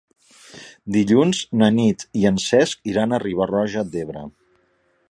Dilluns na Nit i en Cesc iran a Riba-roja d'Ebre.